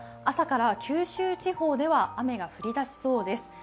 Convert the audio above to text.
朝から九州地方では雨が降りだしそうです。